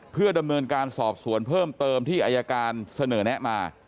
เพื่อดำเนินการสอบสวนเพิ่มเติมที่อายการเสนอแนะมา